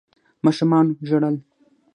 ماشومانو ژړل.